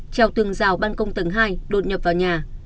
chào tường rào băn công tầng hai đột nhập vào nhà